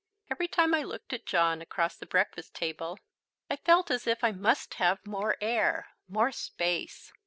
Every time I looked at John across the breakfast table, I felt as if I must have more air, more space.